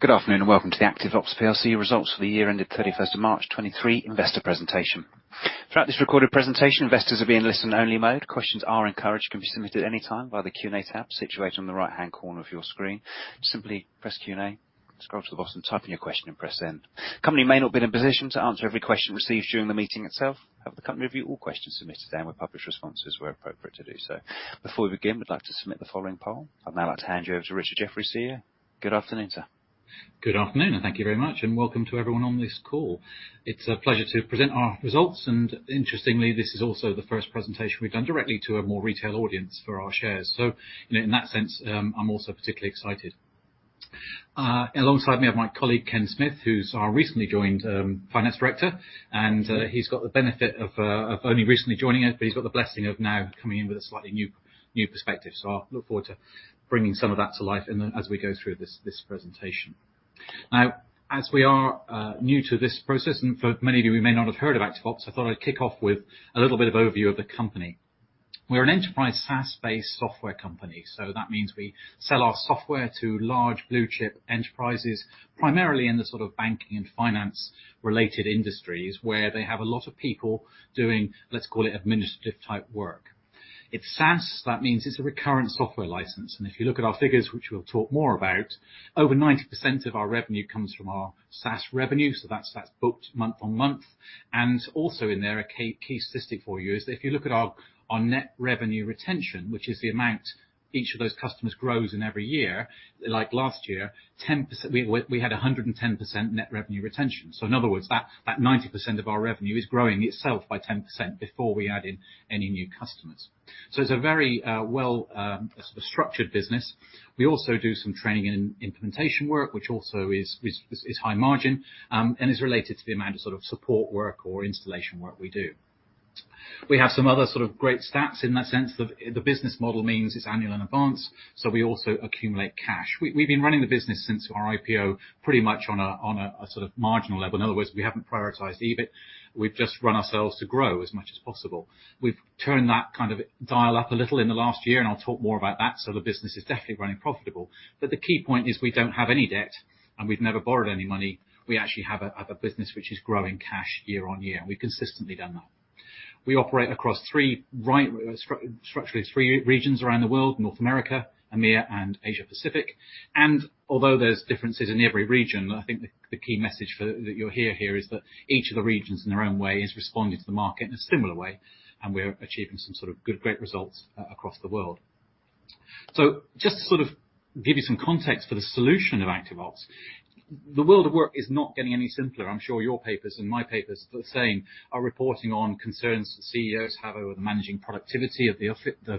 Good afternoon, and welcome to the ActiveOps PLC results for the year ended thirty-first of March, 2023 investor presentation. Throughout this recorded presentation, investors will be in listen-only mode. Questions are encouraged, and can be submitted at any time by the Q&A tab situated on the right-hand corner of your screen. Simply press Q&A, scroll to the bottom, type in your question, and press send. The company may not be in a position to answer every question received during the meeting itself, but the company will review all questions submitted, and we'll publish responses where appropriate to do so. Before we begin, we'd like to submit the following poll. I'd now like to hand you over to Richard Jeffery, CEO. Good afternoon, sir. Good afternoon, thank you very much, and welcome to everyone on this call. It's a pleasure to present our results, and interestingly, this is also the first presentation we've done directly to a more retail audience for our shares. In that sense, I'm also particularly excited. Alongside me, I have my colleague, Ken Smith, who's our recently joined finance director, and he's got the benefit of only recently joining us, but he's got the blessing of now coming in with a slightly new perspective. I look forward to bringing some of that to life as we go through this presentation. As we are new to this process, and for many of you who may not have heard of ActiveOps, I thought I'd kick off with a little bit of overview of the company. We're an enterprise SaaS-based software company, so that means we sell our software to large blue chip enterprises, primarily in the sort of banking and finance-related industries, where they have a lot of people doing, let's call it, administrative-type work. It's SaaS, that means it's a recurrent software license. If you look at our figures, which we'll talk more about, over 90% of our revenue comes from our SaaS revenue, so that's booked month on month. Also in there, a key statistic for you, is that if you look at our Net Revenue Retention, which is the amount each of those customers grows in every year, like last year, 10%, we had 110% Net Revenue Retention. In other words, that 90% of our revenue is growing itself by 10% before we add in any new customers. It's a very well structured business. We also do some training and implementation work, which also is high margin and is related to the amount of sort of support work or installation work we do. We have some other sort of great stats in that sense. The business model means it's annual in advance, so we also accumulate cash. We've been running the business since our IPO, pretty much on a sort of marginal level. In other words, we haven't prioritized EBIT. We've just run ourselves to grow as much as possible. We've turned that kind of dial up a little in the last year, and I'll talk more about that. The business is definitely running profitable, but the key point is, we don't have any debt, and we've never borrowed any money. We actually have a business which is growing cash year-on-year, and we've consistently done that. We operate across three structurally, three regions around the world: North America, EMEA, and Asia Pacific. Although there's differences in every region, I think the key message that you'll hear here is that each of the regions, in their own way, is responding to the market in a similar way, and we're achieving some sort of good, great results across the world. Just to sort of give you some context for the solution of ActiveOps, the world of work is not getting any simpler. I'm sure your papers and my papers are reporting on concerns CEOs have over managing productivity of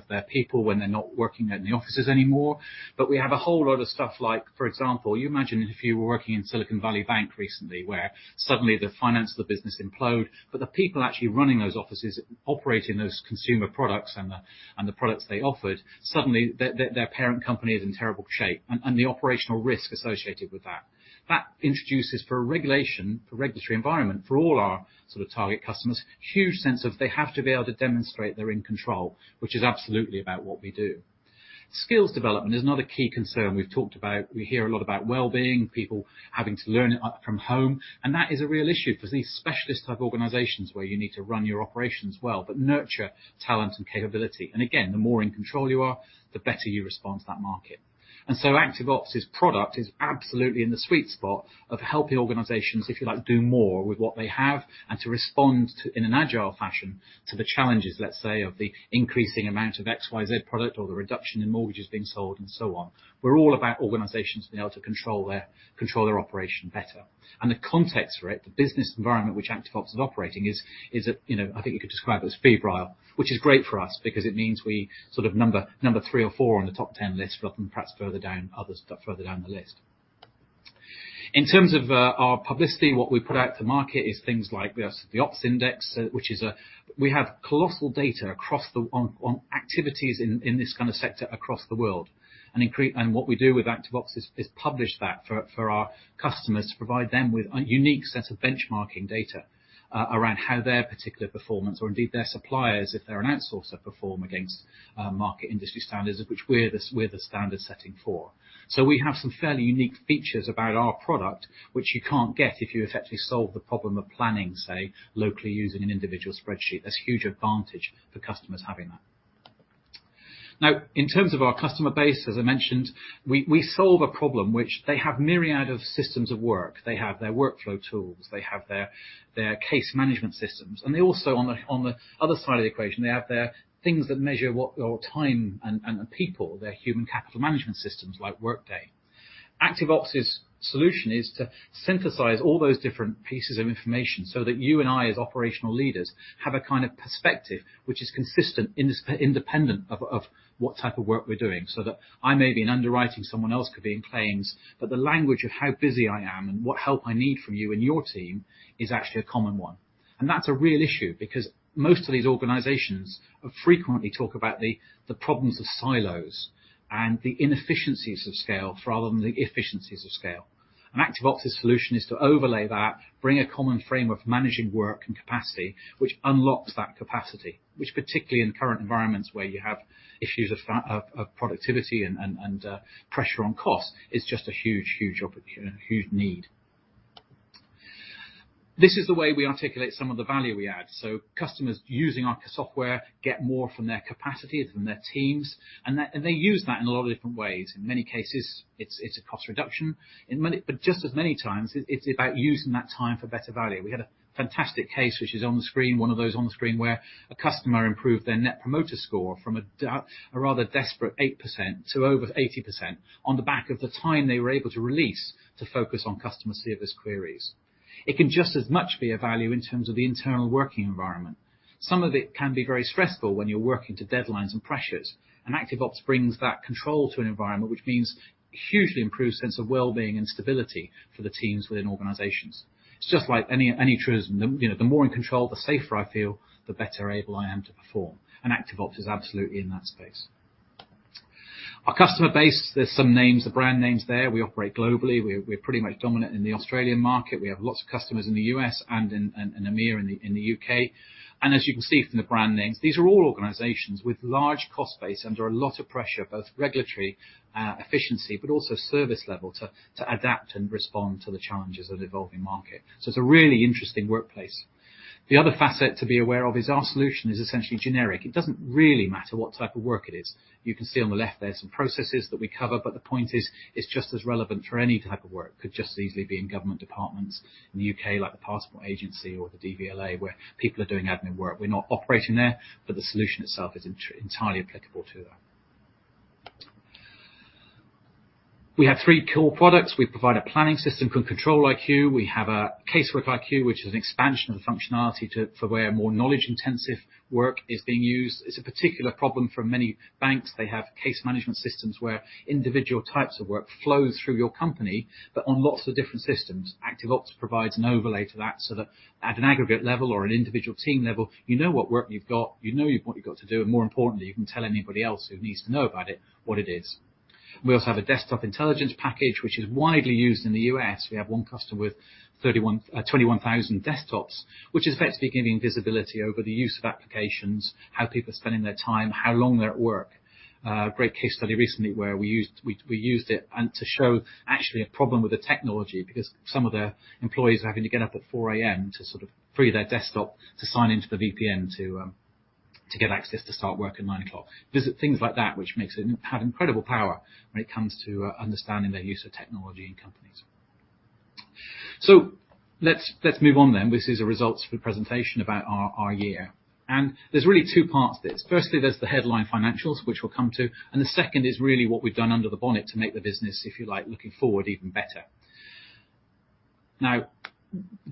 their people when they're not working in the offices anymore. We have a whole lot of stuff like, for example, you imagine if you were working in Silicon Valley Bank recently, where suddenly the finance of the business implode, but the people actually running those offices, operating those consumer products and the products they offered, suddenly their parent company is in terrible shape, and the operational risk associated with that. That introduces for regulatory environment, for all our sort of target customers, huge sense of they have to be able to demonstrate they're in control, which is absolutely about what we do. Skills development is another key concern we've talked about. We hear a lot about well-being, people having to learn from home, and that is a real issue for these specialist type organizations, where you need to run your operations well, but nurture talent and capability. Again, the more in control you are, the better you respond to that market. ActiveOps' product is absolutely in the sweet spot of helping organizations, if you like, do more with what they have and to respond to in an agile fashion, to the challenges, let's say, of the increasing amount of XYZ product or the reduction in mortgages being sold and so on. We're all about organizations being able to control their operation better. The context for it, the business environment which ActiveOps is operating, is that, you know, I think you could describe it as febrile, which is great for us because it means we sort of number three or four on the top 10 list, rather than perhaps further down, others further down the list. In terms of our publicity, what we put out to market is things like the Ops Index, which is. We have colossal data across the on activities in this kind of sector across the world. What we do with ActiveOps is publish that for our customers, to provide them with a unique set of benchmarking data around how their particular performance or indeed their suppliers, if they're an outsourcer, perform against market industry standards, of which we're the standard-setting for. We have some fairly unique features about our product, which you can't get if you effectively solve the problem of planning, say, locally, using an individual spreadsheet. That's a huge advantage for customers having that. In terms of our customer base, as I mentioned, we solve a problem which they have myriad of systems of work. They have their workflow tools, they have their case management systems, and they also, on the, on the other side of the equation, they have their things that measure what time and the people, their human capital management systems like Workday. ActiveOps' solution is to synthesize all those different pieces of information so that you and I, as operational leaders, have a kind of perspective which is consistent, independent of what type of work we're doing. That I may be in underwriting, someone else could be in claims, but the language of how busy I am and what help I need from you and your team is actually a common one. That's a real issue, because most of these organizations frequently talk about the problems of silos and the inefficiencies of scale rather than the efficiencies of scale. ActiveOps' solution is to overlay that, bring a common frame of managing work and capacity, which unlocks that capacity, which, particularly in current environments where you have issues of productivity and pressure on cost, is just a huge opport- a huge need. This is the way we articulate some of the value we add. Customers using our software get more from their capacity, from their teams, and they use that in a lot of different ways. In many cases, it's a cost reduction. Just as many times, it's about using that time for better value. We had a fantastic case, which is on the screen, one of those on the screen, where a customer improved their Net Promoter Score from a rather desperate 8% to over 80% on the back of the time they were able to release to focus on customer service queries. It can just as much be a value in terms of the internal working environment. Some of it can be very stressful when you're working to deadlines and pressures. ActiveOps brings that control to an environment, which means hugely improved sense of well-being and stability for the teams within organizations. It's just like any truism. You know, the more in control, the safer I feel, the better able I am to perform. ActiveOps is absolutely in that space. Our customer base, there's some names of brand names there. We operate globally. We're pretty much dominant in the Australian market. We have lots of customers in the US and in the UK. As you can see from the brand names, these are all organizations with large cost base under a lot of pressure, both regulatory, efficiency, but also service level, to adapt and respond to the challenges of the evolving market. It's a really interesting workplace. The other facet to be aware of is our solution is essentially generic. It doesn't really matter what type of work it is. You can see on the left there some processes that we cover, but the point is, it's just as relevant for any type of work. Could just as easily be in government departments in the UK, like the Passport Agency or the DVLA, where people are doing admin work. We're not operating there, but the solution itself is entirely applicable to that. We have three core products. We provide a planning system called ControliQ. We have a CaseworkiQ, which is an expansion of the functionality for where more knowledge-intensive work is being used. It's a particular problem for many banks. They have case management systems where individual types of work flow through your company, but on lots of different systems. ActiveOps provides an overlay to that, so that at an aggregate level or an individual team level, you know what work you've got, you know what you've got to do, and more importantly, you can tell anybody else who needs to know about it, what it is. We also have a desktop intelligence package, which is widely used in the U.S. We have one customer with 21,000 desktops, which is effectively giving visibility over the use of applications, how people are spending their time, how long they're at work. Great case study recently where we used it and to show actually a problem with the technology, because some of their employees are having to get up at 4:00 A.M. to sort of free their desktop, to sign into the VPN to get access to start work at 9:00 A.M. These are things like that, which makes it have incredible power when it comes to understanding their use of technology in companies. Let's move on then. This is a results for the presentation about our year. There's really two parts to this. Firstly, there's the headline financials, which we'll come to, and the second is really what we've done under the bonnet to make the business, if you like, looking forward, even better.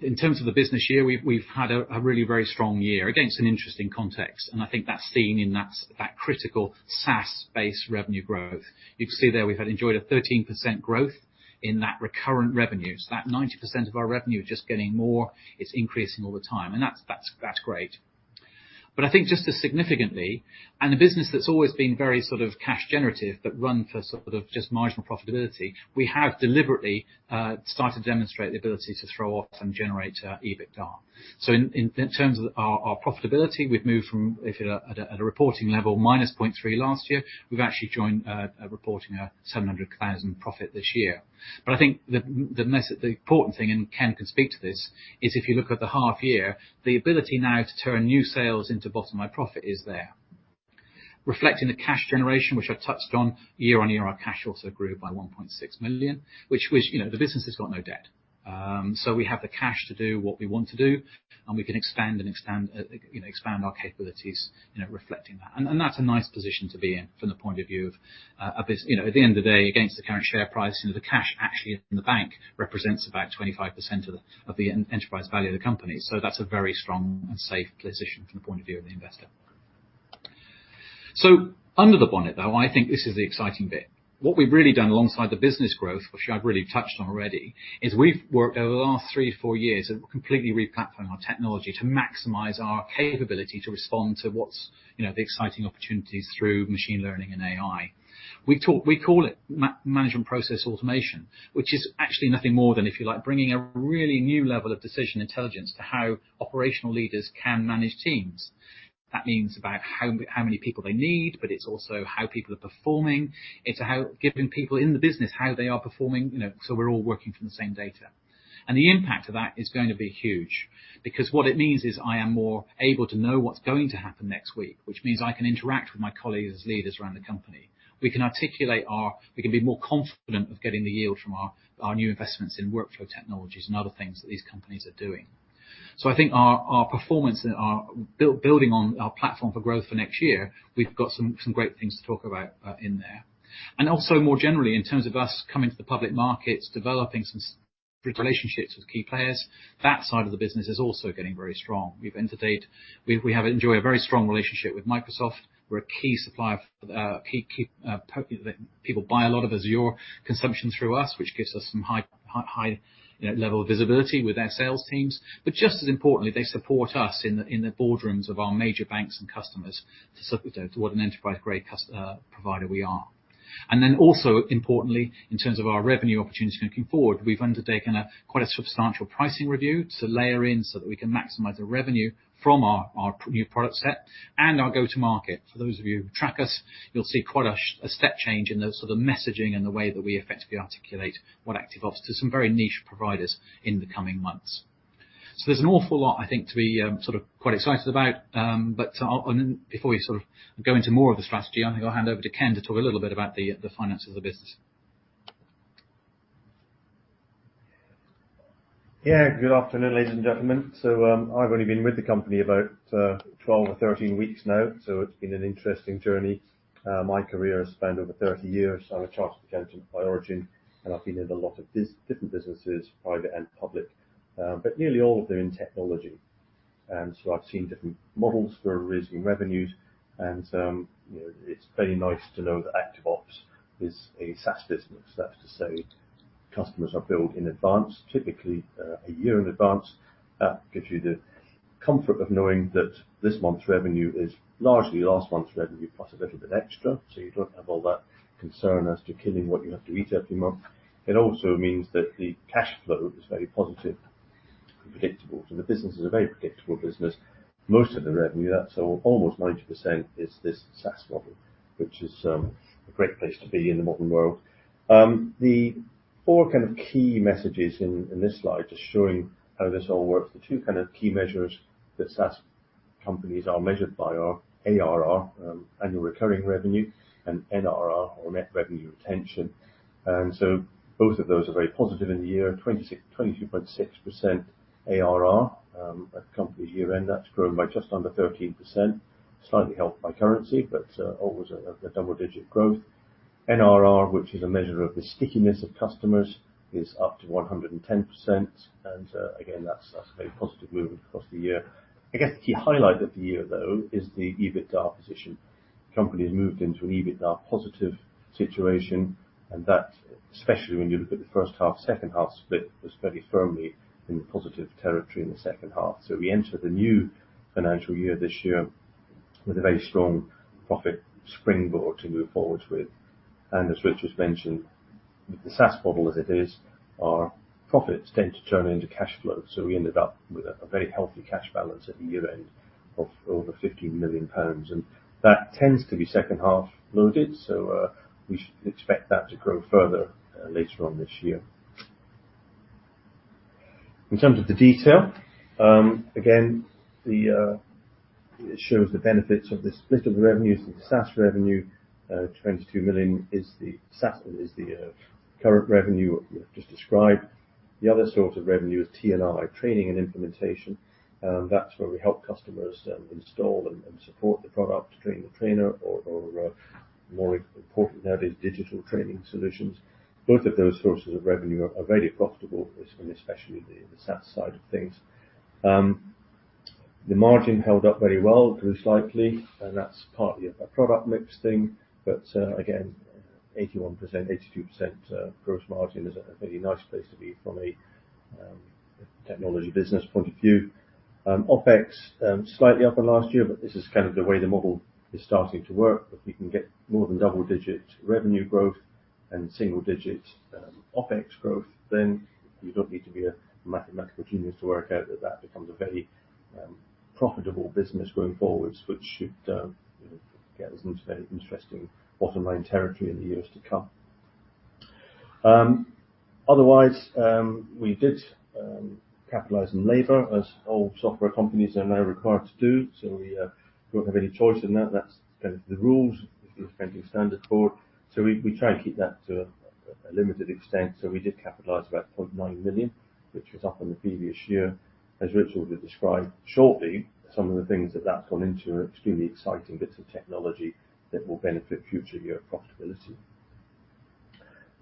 In terms of the business year, we've had a really very strong year against an interesting context. I think that's seen in that critical SaaS-based revenue growth. You can see there, we've had enjoyed a 13% growth in that recurrent revenue. That 90% of our revenue is just getting more, it's increasing all the time. That's great. I think just as significantly, a business that's always been very sort of cash generative, but run for sort of just marginal profitability, we have deliberately started to demonstrate the ability to throw off and generate EBITDA. In terms of our profitability, we've moved from, if you're at a reporting level, -0.3 last year, we've actually joined reporting a 700,000 profit this year. I think the important thing, and Ken can speak to this, is if you look at the half year, the ability now to turn new sales into bottom line profit is there. Reflecting the cash generation, which I touched on, year-on-year, our cash also grew by 1.6 million, which, you know, the business has got no debt. We have the cash to do what we want to do, and we can expand, you know, expand our capabilities, you know, reflecting that. That's a nice position to be in from the point of view of, you know, at the end of the day, against the current share price, you know, the cash actually in the bank represents about 25% of the enterprise value of the company. That's a very strong and safe position from the point of view of the investor. Under the bonnet, though, I think this is the exciting bit. What we've really done alongside the business growth, which I've really touched on already, is we've worked over the last 3-4 years of completely replatforming our technology to maximize our capability to respond to what's, you know, the exciting opportunities through machine learning and AI. We call it Management Process Automation, which is actually nothing more than, if you like, bringing a really new level of decision intelligence to how operational leaders can manage teams. That means about how many people they need, but it's also how people are performing. It's how giving people in the business, how they are performing, you know, so we're all working from the same data. The impact of that is going to be huge, because what it means is I am more able to know what's going to happen next week, which means I can interact with my colleagues as leaders around the company. We can articulate, we can be more confident of getting the yield from our new investments in workflow technologies and other things that these companies are doing. I think our performance and our building on our platform for growth for next year, we've got some great things to talk about in there. More generally, in terms of us coming to the public markets, developing some relationships with key players, that side of the business is also getting very strong. We've entered date. We have enjoyed a very strong relationship with Microsoft. We're a key supplier for the key people buy a lot of Azure consumption through us, which gives us some high, you know, level of visibility with their sales teams. Just as importantly, they support us in the boardrooms of our major banks and customers to what an enterprise-grade provider we are. Also, importantly, in terms of our revenue opportunity looking forward, we've undertaken a quite a substantial pricing review to layer in so that we can maximize the revenue from our new product set and our go-to market. For those of you who track us, you'll see quite a step change in the sort of messaging and the way that we effectively articulate what ActiveOps is to some very niche providers in the coming months. There's an awful lot, I think, to be sort of quite excited about. Before we sort of go into more of the strategy, I think I'll hand over to Ken to talk a little bit about the finances of the business. Yeah, good afternoon, ladies and gentlemen. I've only been with the company about 12 or 13 weeks now, so it's been an interesting journey. My career has spanned over 30 years. I'm a chartered accountant by origin, and I've been in a lot of different businesses, private and public, but nearly all of them in technology. I've seen different models for raising revenues, and, you know, it's very nice to know that ActiveOps is a SaaS business. That's to say, customers are billed in advance, typically, a year in advance. That gives you the comfort of knowing that this month's revenue is largely last month's revenue, plus a little bit extra, so you don't have all that concern as to killing what you have to eat every month. It also means that the cash flow is very positive and predictable. The business is a very predictable business. Most of the revenue, that's almost 90%, is this SaaS model, which is a great place to be in the modern world. The four kind of key messages in this slide, just showing how this all works. The two kind of key measures that SaaS companies are measured by are ARR, Annual Recurring Revenue, and NRR, or Net Revenue Retention. Both of those are very positive in the year. 22.6% ARR at company's year end, that's grown by just under 13%, slightly helped by currency, but always a double-digit growth. NRR, which is a measure of the stickiness of customers, is up to 110%. Again, that's a very positive movement across the year. I guess the key highlight of the year, though, is the EBITDA position. Company has moved into an EBITDA positive situation, and that, especially when you look at the first half, second half split, was very firmly in the positive territory in the second half. We enter the new financial year, this year, with a very strong profit springboard to move forward with. As Richard's mentioned, with the SaaS model, as it is, our profits tend to turn into cash flow, so we ended up with a very healthy cash balance at the year end of over 50 million pounds. That tends to be second half loaded, so, we expect that to grow further later on this year. In terms of the detail, again, it shows the benefits of the split of the revenues. The SaaS revenue, 22 million is the SaaS, is the current revenue we've just described. The other source of revenue is T&I, training and implementation. That's where we help customers install and support the product, train the trainer, or, more important now, is digital training solutions. Both of those sources of revenue are very profitable, especially in the SaaS side of things. The margin held up very well, grew slightly, and that's partly a product mix thing, but again, 81 to 82% gross margin is a very nice place to be from a technology business point of view. OpEx, slightly up on last year, but this is kind of the way the model is starting to work. If we can get more than double-digit revenue growth and single digit OpEx growth, then you don't need to be a mathematical genius to work out that that becomes a very profitable business going forward, which should get us into very interesting bottom-line territory in the years to come. Otherwise, we did capitalize on labor, as all software companies are now required to do. We don't have any choice in that. That's kind of the rules, if you're accounting standard board. We, we try and keep that to a limited extent, so we did capitalize about 0.9 million, which was up in the previous year. As Richard will describe shortly, some of the things that that's gone into are extremely exciting bits of technology that will benefit future year profitability.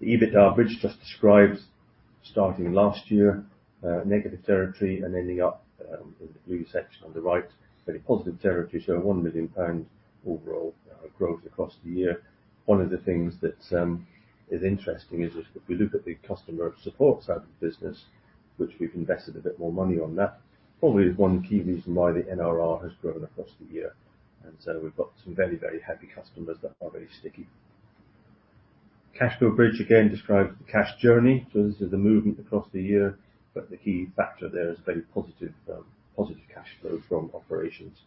The EBITDA bridge just described, starting last year, negative territory and ending up, in the blue section on the right, very positive territory. 1 million pounds overall, growth across the year. One of the things that is interesting is if we look at the customer support side of the business, which we've invested a bit more money on, that probably is one key reason why the NRR has grown across the year. We've got some very, very happy customers that are very sticky. Cash flow bridge, again, describes the cash journey, so this is the movement across the year, but the key factor there is very positive cash flow from operations.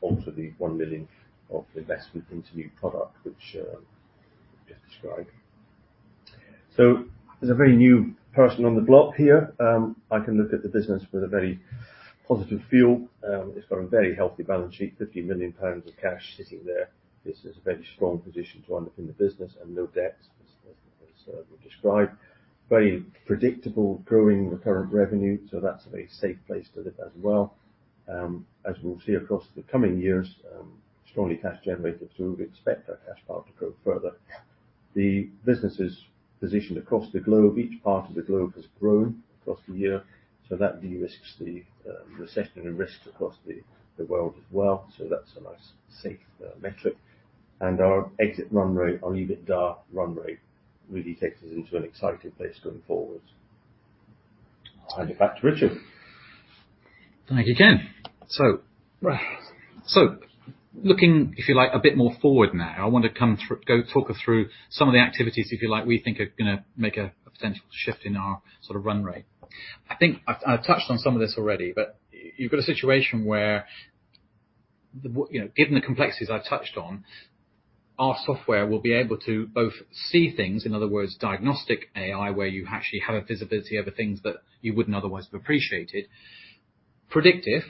Also the 1 million of investment into new product, which just described. As a very new person on the block here, I can look at the business with a very positive feel. It's got a very healthy balance sheet, 50 million pounds of cash sitting there. This is a very strong position to underpin the business and no debts, as described. Very predictable, growing recurrent revenue, so that's a very safe place to live as well. As we'll see across the coming years, strongly cash generative, so we expect that cash flow to grow further. The business is positioned across the globe. Each part of the globe has grown across the year, so that de-risks the recession and risks across the world as well. That's a nice, safe metric. Our exit run rate, our EBITDA run rate, really takes us into an exciting place going forward. I'll hand it back to Richard. Thank you, Ken. Looking, if you like, a bit more forward now, I want to go talk us through some of the activities, if you like, we think are gonna make a potential shift in our sort of run rate. I think I've touched on some of this already, but you've got a situation where. You know, given the complexities I've touched on, our software will be able to both see things, in other words, diagnostic AI, where you actually have a visibility over things that you wouldn't otherwise have appreciated. Predictive,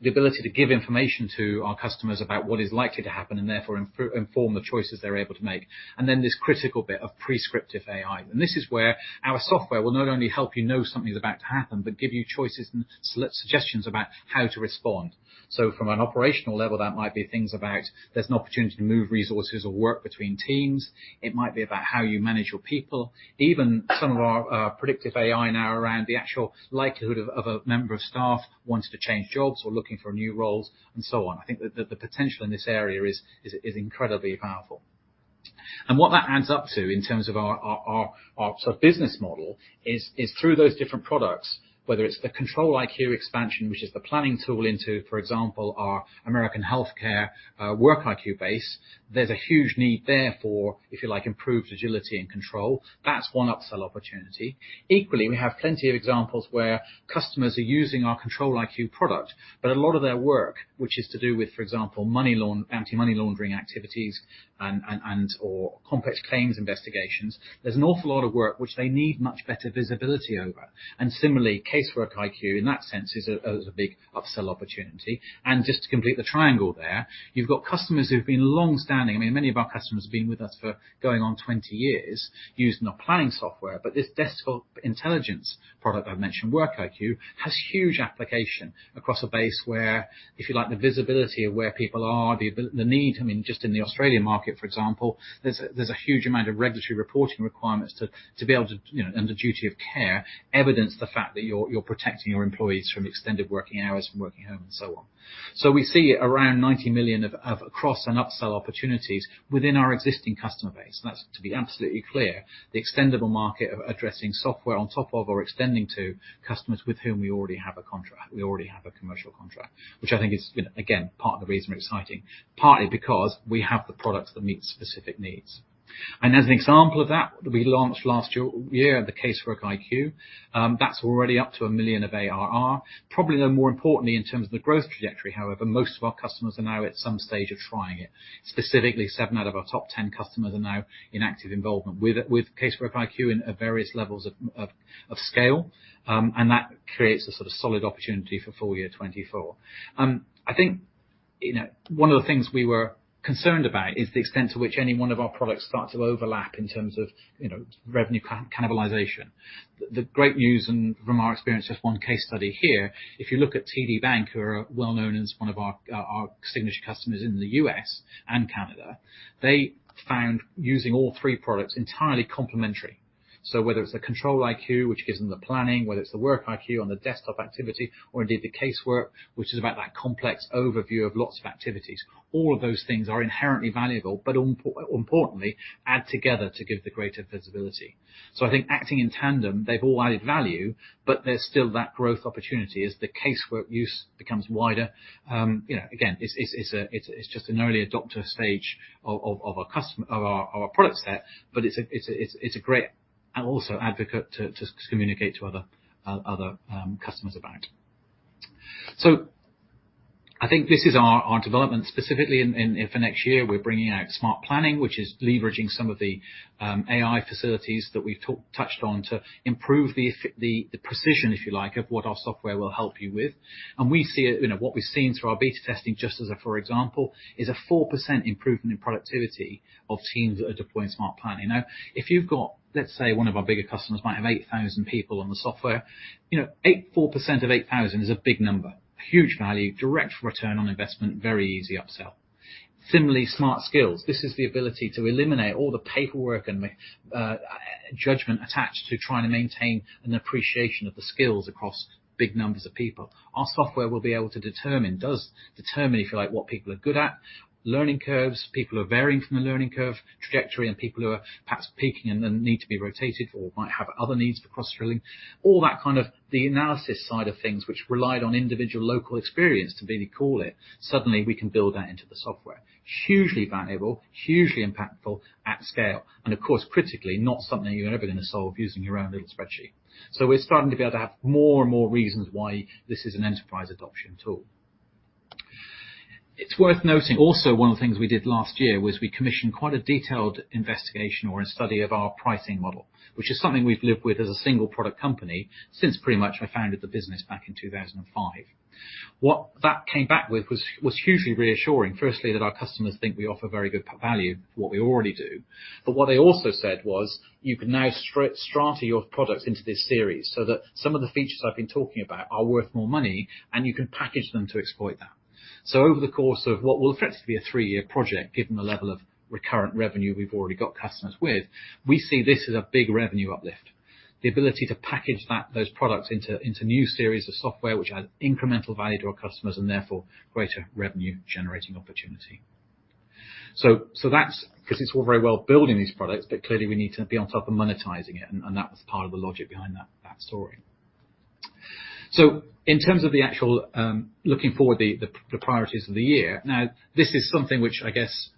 the ability to give information to our customers about what is likely to happen and therefore, inform the choices they're able to make. This critical bit of prescriptive AI, and this is where our software will not only help you know something's about to happen, but give you choices and select suggestions about how to respond. From an operational level, that might be things about there's an opportunity to move resources or work between teams. It might be about how you manage your people. Even some of our predictive AI now around the actual likelihood of a member of staff wanting to change jobs or looking for new roles, and so on. The potential in this area is incredibly powerful. What that adds up to in terms of our business model is through those different products, whether it's the ControliQ expansion, which is the planning tool into, for example, our American healthcare, WorkiQ base, there's a huge need there for, if you like, improved agility and control. That's one upsell opportunity. Equally, we have plenty of examples where customers are using our ControliQ product, but a lot of their work, which is to do with, for example, Anti-Money Laundering activities and/or complex claims investigations, there's an awful lot of work which they need much better visibility over, and similarly, CaseworkiQ, in that sense, is a big upsell opportunity. Just to complete the triangle there, you've got customers who've been long-standing. I mean, many of our customers have been with us for going on 20 years using our planning software, but this desktop intelligence product I've mentioned, WorkiQ, has huge application across a base where, if you like, the visibility of where people are, the need. I mean, just in the Australian market, for example, there's a huge amount of regulatory reporting requirements to be able to, you know, under duty of care, evidence the fact that you're protecting your employees from extended working hours, from working home, and so on. We see around 90 million of across and upsell opportunities within our existing customer base. That's to be absolutely clear, the extendable market of addressing software on top of or extending to customers with whom we already have a contract, we already have a commercial contract, which I think is, again, part of the reason we're exciting, partly because we have the products that meet specific needs. As an example of that, we launched last year, the CaseworkiQ. That's already up to 1 million of ARR. Probably, though, more importantly, in terms of the growth trajectory, however, most of our customers are now at some stage of trying it. Specifically, seven out of our top ten customers are now in active involvement with CaseworkiQ in, at various levels of scale. That creates a sort of solid opportunity for full year 2024. I think, you know, one of the things we were concerned about is the extent to which any one of our products start to overlap in terms of, you know, revenue cannibalization. The great news and from our experience with one case study here, if you look at TD Bank, who are well known as one of our signature customers in the U.S. and Canada, they found using all three products entirely complementary. Whether it's a ControliQ, which gives them the planning, whether it's the WorkiQ on the desktop activity, or indeed, the casework, which is about that complex overview of lots of activities, all of those things are inherently valuable, but importantly, add together to give the greater visibility. I think acting in tandem, they've all added value, but there's still that growth opportunity as the casework use becomes wider. You know, again, it's just an early adopter stage of our product set, but it's a great and also advocate to communicate to other customers about. I think this is our development, specifically for next year, we're bringing out Smart Planning, which is leveraging some of the AI facilities that we've touched on to improve the precision, if you like, of what our software will help you with. We see it. You know, what we've seen through our beta testing, just as a for example, is a 4% improvement in productivity of teams that are deploying Smart Planning. If you've got, let's say, one of our bigger customers might have 8,000 people on the software, you know, 4% of 8,000 is a big number, huge value, direct return on investment, very easy upsell. Similarly, Smart Skills, this is the ability to eliminate all the paperwork and the judgment attached to trying to maintain an appreciation of the skills across big numbers of people. Our software will be able to determine, does determine, if you like, what people are good at, learning curves, people who are varying from the learning curve, trajectory, and people who are perhaps peaking and then need to be rotated or might have other needs for cross-drilling. All that kind of the analysis side of things, which relied on individual local experience to really call it, suddenly, we can build that into the software. Hugely valuable, hugely impactful at scale, and of course, critically, not something you're ever going to solve using your own little spreadsheet. We're starting to be able to have more and more reasons why this is an enterprise adoption tool. It's worth noting, also, one of the things we did last year was we commissioned quite a detailed investigation or a study of our pricing model, which is something we've lived with as a single product company since pretty much I founded the business back in 2005. What that came back with was hugely reassuring. Firstly, that our customers think we offer very good value for what we already do. What they also said was, "You can now strata your products into this series, so that some of the features I've been talking about are worth more money, and you can package them to exploit that." Over the course of what will effectively be a 3-year project, given the level of recurrent revenue we've already got customers with, we see this as a big revenue uplift. The ability to package those products into new series of software, which adds incremental value to our customers and therefore greater revenue-generating opportunity. That's 'cause it's all very well building these products, but clearly, we need to be on top of monetizing it, and that was part of the logic behind that story. In terms of the actual looking forward, the priorities of the year, now, this is something which I guess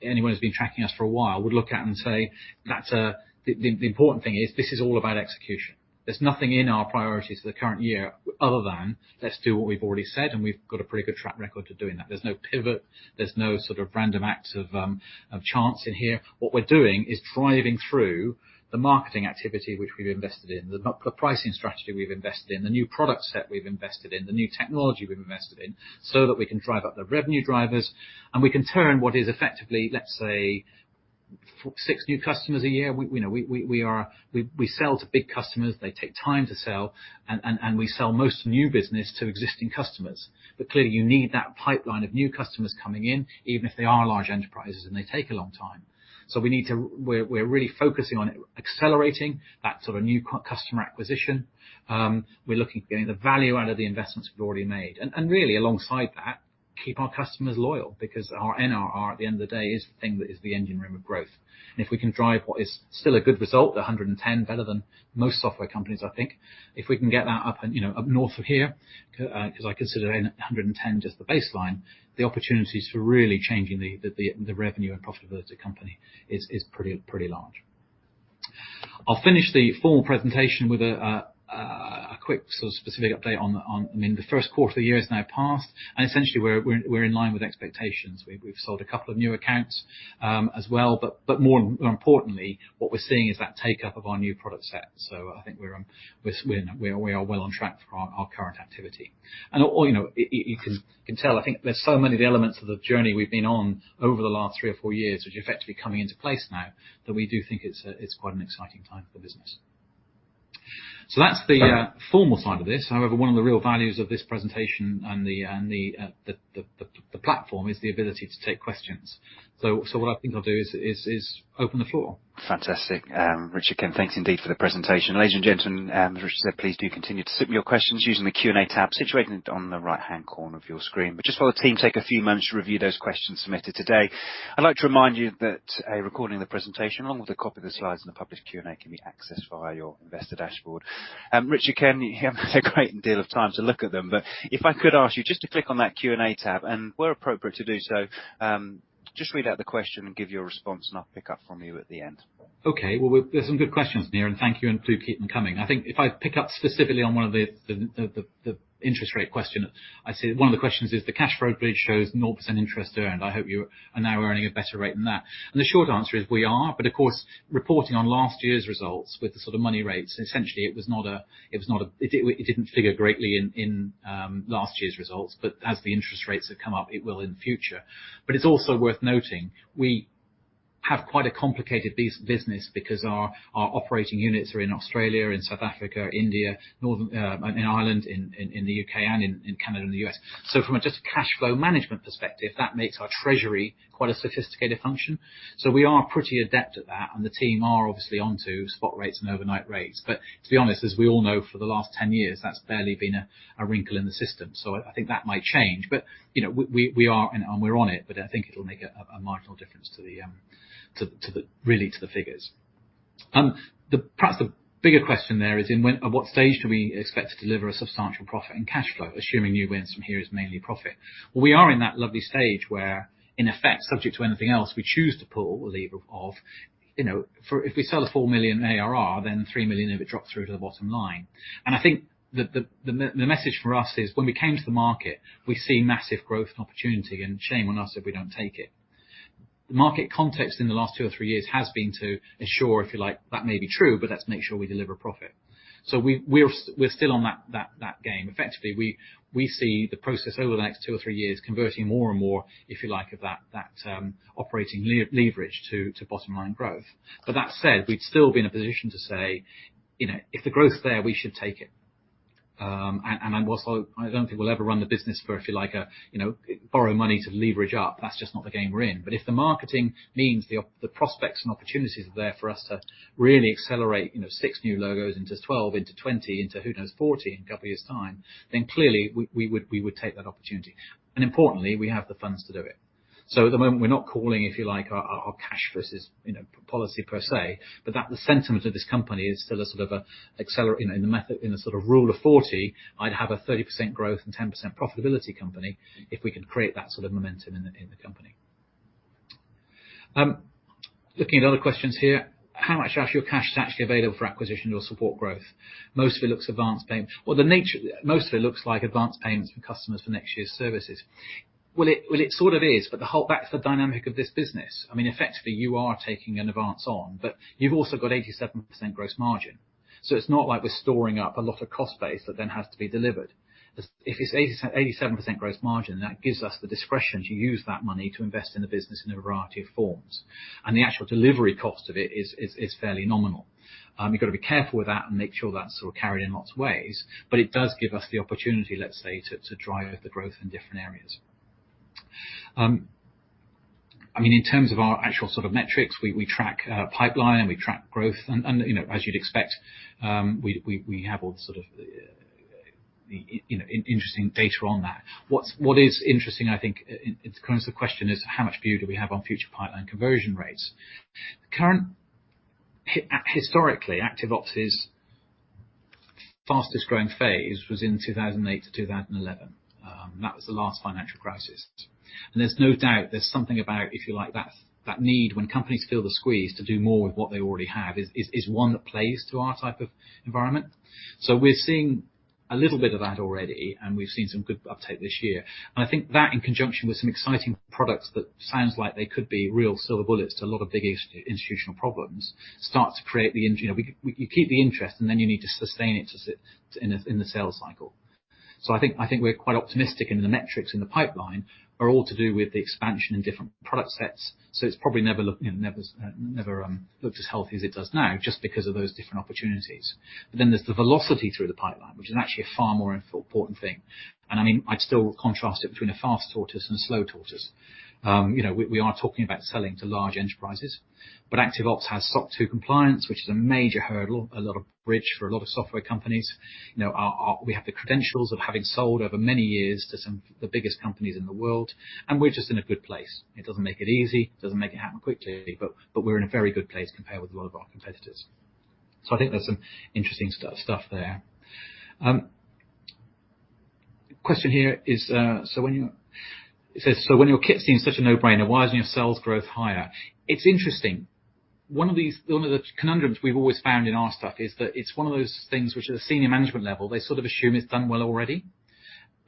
anyone who's been tracking us for a while would look at and say, that's the important thing is this is all about execution. There's nothing in our priorities for the current year other than, let's do what we've already said, and we've got a pretty good track record of doing that. There's no pivot, there's no sort of random acts of chance in here. What we're doing is driving through the marketing activity, which we've invested in, the pricing strategy we've invested in, the new product set we've invested in, the new technology we've invested in, so that we can drive up the revenue drivers, and we can turn what is effectively, let's say, six new customers a year. We, you know, we sell to big customers. They take time to sell, and we sell most new business to existing customers. Clearly, you need that pipeline of new customers coming in, even if they are large enterprises, and they take a long time. We need to we're really focusing on accelerating that sort of new customer acquisition. We're looking at getting the value out of the investments we've already made, and really alongside that, keep our customers loyal, because our NRR, at the end of the day, is the thing that is the engine room of growth. If we can drive what is still a good result, 110%, better than most software companies, I think, if we can get that up and up north of here, 'cause I consider 110% just the baseline, the opportunities for really changing the revenue and profitability of the company is pretty large. I'll finish the formal presentation with a quick sort of specific update. I mean, the Q1 of the year is now past, essentially we're in line with expectations. We've sold a couple of new accounts as well, but more importantly, what we're seeing is that take-up of our new product set. I think we are well on track for our current activity. All, you know, you can tell, I think there's so many of the elements of the journey we've been on over the last three or four years, which are effectively coming into place now, that we do think it's quite an exciting time for the business. That's the formal side of this. However, one of the real values of this presentation and the platform, is the ability to take questions. What I think I'll do is open the floor. Fantastic. Richard Kim, thanks indeed for the presentation. Ladies and gentlemen, as Richard said, please do continue to submit your questions using the Q&A tab situated on the right-hand corner of your screen. Just while the team take a few moments to review those questions submitted today, I'd like to remind you that a recording of the presentation, along with a copy of the slides and the published Q&A, can be accessed via your investor dashboard. Richard Kim, you haven't had a great deal of time to look at them, but if I could ask you just to click on that Q&A tab, and where appropriate to do so, just read out the question and give your response, and I'll pick up from you at the end. Okay. Well, there's some good questions in there, and thank you, and do keep them coming. I think if I pick up specifically on one of the interest rate question, I see one of the questions is: The cash flow bridge shows 0% interest earned. I hope you are now earning a better rate than that. The short answer is we are, but of course, reporting on last year's results with t he sort of money rates, essentially it was not a. It didn't figure greatly in last year's results, but as the interest rates have come up, it will in the future. It's also worth noting, we have quite a complicated business because our operating units are in Australia, in South Africa, India, Northern Ireland, in the U.K., and in Canada and the U.S. From a just cashflow management perspective, that makes our treasury quite a sophisticated function. We are pretty adept at that, and the team are obviously onto spot rates and overnight rates. To be honest, as we all know, for the last 10 years, that's barely been a wrinkle in the system, so I think that might change. You know, we are, and we're on it, but I think it'll make a marginal difference to the, to the, to the, really, to the figures. Perhaps the bigger question there is, in when, at what stage do we expect to deliver a substantial profit and cash flow, assuming new wins from here is mainly profit? We are in that lovely stage where, in effect, subject to anything else we choose to pull the lever of, you know, if we sell a 4 million ARR, then 3 million of it drops through to the bottom line. I think the message for us is, when we came to the market, we see massive growth and opportunity, and shame on us if we don't take it. The market context in the last 2 or 3 years has been to ensure, if you like, that may be true, but let's make sure we deliver profit. We're still on that game. Effectively, we see the process over the next two or three years converting more and more, if you like, of that operating leverage to bottom line growth. That said, we'd still be in a position to say, you know, if the growth's there, we should take it. I'm also I don't think we'll ever run the business for, if you like, a, you know, borrow money to leverage up. That's just not the game we're in. If the marketing means the prospects and opportunities are there for us to really accelerate, you know, six new logos into 12, into 20, into, who knows, 40 in a couple years' time, then clearly, we would take that opportunity. Importantly, we have the funds to do it. At the moment, we're not calling, if you like, our cash versus policy per se, but that, the sentiment of this company is still a sort of in the method, in a sort of Rule of 40, I'd have a 30% growth and 10% profitability company, if we can create that sort of momentum in the company. Looking at other questions here: How much of your cash is actually available for acquisition or support growth? Mostly looks advanced payment. Mostly looks like advanced payments from customers for next year's services. It sort of is, but that's the dynamic of this business. I mean, effectively, you are taking an advance on, but you've also got 87% gross margin. It's not like we're storing up a lot of cost base that then has to be delivered. If it's 87% gross margin, that gives us the discretion to use that money to invest in the business in a variety of forms, and the actual delivery cost of it is fairly nominal. You've got to be careful with that and make sure that's sort of carried in lots of ways, but it does give us the opportunity, let's say, to drive the growth in different areas. I mean, in terms of our actual sort of metrics, we track pipeline, we track growth, and, you know, as you'd expect, we have all sort of, you know, interesting data on that. What is interesting, I think, it's, kind of, the question is: How much view do we have on future pipeline conversion rates? Historically, ActiveOps's fastest growing phase was in 2008 to 2011, that was the last financial crisis. There's no doubt there's something about, if you like, that need, when companies feel the squeeze to do more with what they already have, is one that plays to our type of environment. We're seeing a little bit of that already, and we've seen some good uptake this year. I think that in conjunction with some exciting products, that sounds like they could be real silver bullets to a lot of big institutional problems, start to create the interest. You know, we, you keep the interest, you need to sustain it to sit in the, in the sales cycle. I think we're quite optimistic, the metrics in the pipeline are all to do with the expansion in different product sets. It's probably never looked, you know, never looked as healthy as it does now, just because of those different opportunities. There's the velocity through the pipeline, which is actually a far more important thing. I mean, I'd still contrast it between a fast tortoise and a slow tortoise. you know, we are talking about selling to large enterprises, but ActiveOps has SOC 2 compliance, which is a major hurdle, a lot of bridge for a lot of software companies. You know, We have the credentials of having sold over many years to some of the biggest companies in the world, and we're just in a good place. It doesn't make it easy, it doesn't make it happen quickly, but we're in a very good place compared with a lot of our competitors. I think there's some interesting stuff there. Question here is, It says, "So when your kit seems such a no-brainer, why isn't your sales growth higher?" It's interesting. One of these... One of the conundrums we've always found in our stuff is that it's one of those things which, at a senior management level, they sort of assume it's done well already.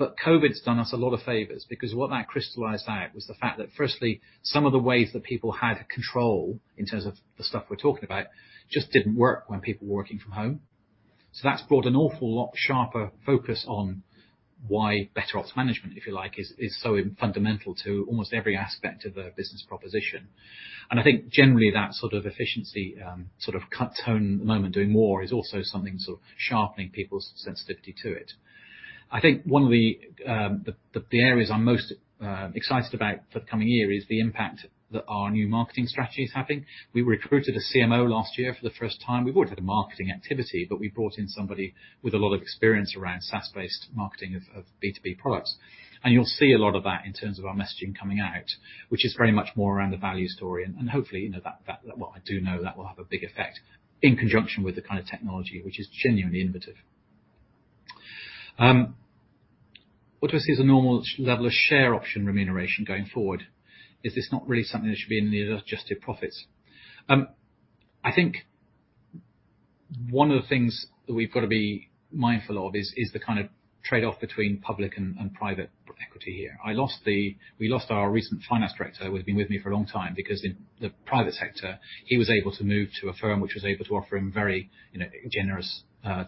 COVID's done us a lot of favors because what that crystallized at was the fact that, firstly, some of the ways that people had control, in terms of the stuff we're talking about, just didn't work when people were working from home. That's brought an awful lot sharper focus on why better ops management, if you like, is so fundamental to almost every aspect of a business proposition. I think generally, that sort of efficiency, sort of cut tone at the moment, doing more, is also something sort of sharpening people's sensitivity to it. I think one of the areas I'm most excited about for the coming year is the impact that our new marketing strategy is having. We recruited a CMO last year for the first time. We've already had a marketing activity, but we brought in somebody with a lot of experience around SaaS-based marketing of B2B products. You'll see a lot of that in terms of our messaging coming out, which is very much more around the value story, and hopefully, you know, that... Well, I do know that will have a big effect in conjunction with the kind of technology which is genuinely innovative. What do I see as a normal level of share option remuneration going forward? Is this not really something that should be in the adjusted profits? I think one of the things that we've got to be mindful of is the kind of trade-off between public and private equity here. We lost our recent finance director, who had been with me for a long time, because in the private sector, he was able to move to a firm which was able to offer him very, you know, generous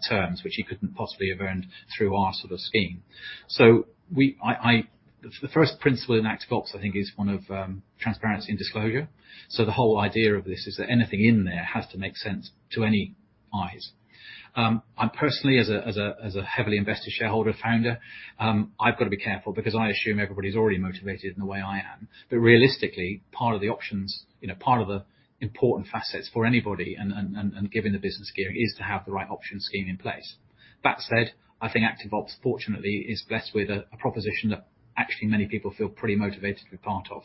terms, which he couldn't possibly have earned through our sort of scheme. The first principle in ActiveOps, I think, is one of transparency and disclosure. The whole idea of this is that anything in there has to make sense to any eyes. I personally, as a heavily invested shareholder, founder, I've got to be careful because I assume everybody's already motivated in the way I am. Realistically, part of the options, you know, part of the important facets for anybody and giving the business gear, is to have the right option scheme in place. That said, I think ActiveOps, fortunately, is blessed with a proposition that actually many people feel pretty motivated to be part of,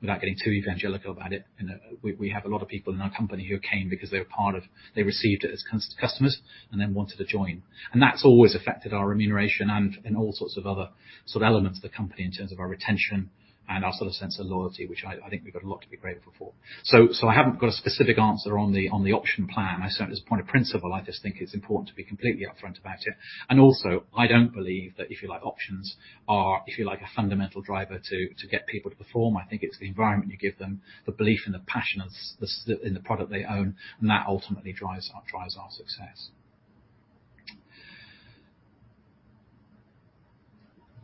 without getting too evangelical about it. You know, we have a lot of people in our company who came because they were part of. They received it as customers and then wanted to join. That's always affected our remuneration and, in all sorts of other sort of elements of the company, in terms of our retention and our sort of sense of loyalty, which I think we've got a lot to be grateful for. I haven't got a specific answer on the, on the option plan. I just, as a point of principle, I just think it's important to be completely upfront about it. Also, I don't believe that, if you like, options are, if you like, a fundamental driver to get people to perform. I think it's the environment you give them, the belief and the passion that's in the product they own, and that ultimately drives our success.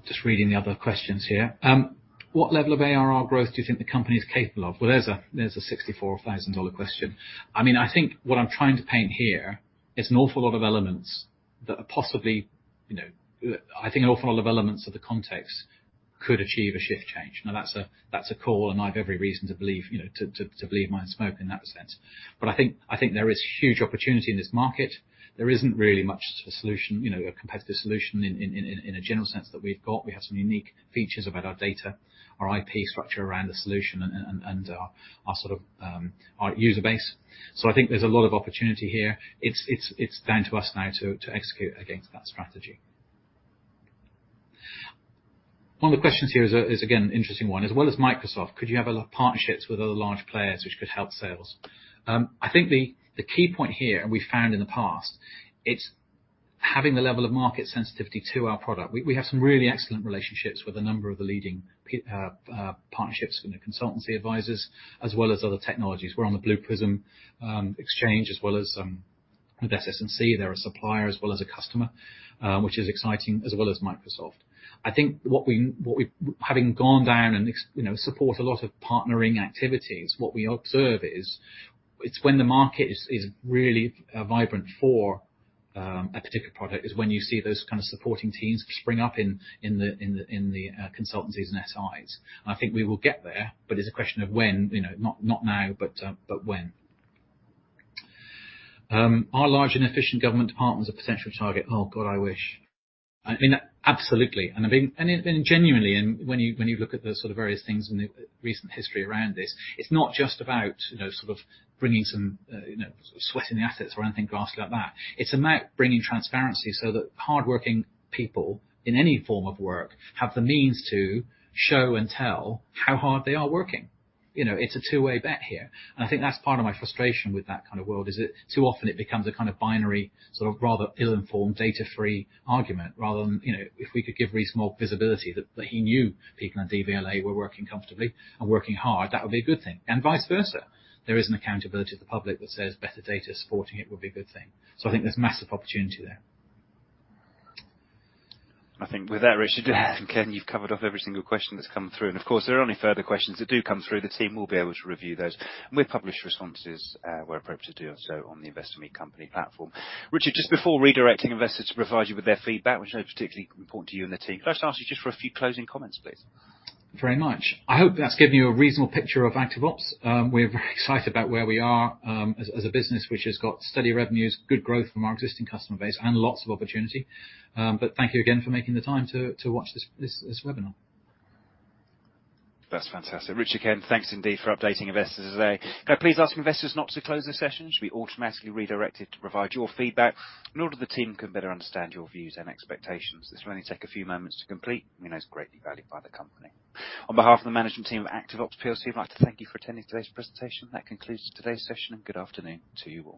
Just reading the other questions here. What level of ARR growth do you think the company is capable of?" Well, there's a 64,000 dollar question. I mean, I think what I'm trying to paint here is an awful lot of elements that are possibly, you know, I think an awful lot of elements of the context could achieve a shift change. That's a, that's a call, and I have every reason to believe, you know, to believe my smoke in that sense. I think, I think there is huge opportunity in this market. There isn't really much solution, you know, a competitive solution in a general sense that we've got. We have some unique features about our data, our IP structure around the solution, and our user base. I think there's a lot of opportunity here. It's down to us now to execute against that strategy. One of the questions here is again an interesting one: "As well as Microsoft, could you have other partnerships with other large players which could help sales?" I think the key point here, and we found in the past, it's having the level of market sensitivity to our product. We have some really excellent relationships with a number of the leading partnerships with the consultancy advisors, as well as other technologies. We're on the Blue Prism Exchange, as well as with SS&C. They're a supplier as well as a customer, which is exciting, as well as Microsoft. I think, having gone down and you know, support a lot of partnering activities, what we observe is, it's when the market is really vibrant for a particular product, is when you see those kind of supporting teams spring up in the consultancies and SIs. I think we will get there, but it's a question of when, you know? Not now, but when. "Are large and efficient government departments a potential target?" Oh, God, I wish. I mean, absolutely, and I mean, and genuinely, and when you look at the sort of various things in the recent history around this, it's not just about, you know, sort of bringing some, you know, sweating the assets or anything ghastly like that. It's about bringing transparency so that hardworking people, in any form of work, have the means to show and tell how hard they are working. You know, it's a two-way bet here, and I think that's part of my frustration with that kind of world, is it too often it becomes a kind of binary, sort of, rather ill-informed, data-free argument, rather than, you know, if we could give Rhys Moore visibility, that he knew people at DVLA were working comfortably and working hard, that would be a good thing, and vice versa. There is an accountability to the public that says better data supporting it would be a good thing. I think there's massive opportunity there. I think with that, Richard, again, you've covered off every single question that's come through. Of course, there are any further questions that do come through, the team will be able to review those. We'll publish responses, where appropriate to do so on the Investor Meet Company platform. Richard, just before redirecting investors to provide you with their feedback, which I know is particularly important to you and the team, can I just ask you just for a few closing comments, please? Very much. I hope that's given you a reasonable picture of ActiveOps. We're very excited about where we are, as a business, which has got steady revenues, good growth from our existing customer base, and lots of opportunity. Thank you again for making the time to watch this webinar. That's fantastic. Richard Jeffery, thanks indeed for updating investors today. Can I please ask investors not to close this session? Should be automatically redirected to provide your feedback in order the team can better understand your views and expectations. This will only take a few moments to complete, and it's greatly valued by the company. On behalf of the management team of ActiveOps PLC, I'd like to thank you for attending today's presentation. That concludes today's session. Good afternoon to you all.